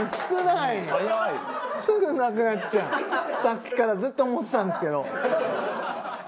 さっきからずっと思ってたんですけど。